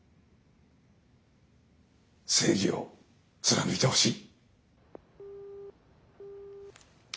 正義を貫いてほしい。